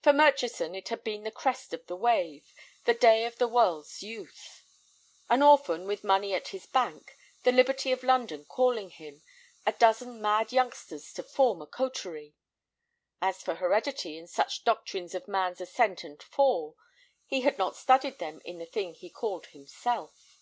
For Murchison it had been the crest of the wave, the day of the world's youth. An orphan with money at his bank, the liberty of London calling him, a dozen mad youngsters to form a coterie! As for heredity and such doctrines of man's ascent and fall, he had not studied them in the thing he called himself.